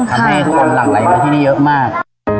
ทำให้ทุกคนหลั่งไหลมาที่นี่เยอะมาก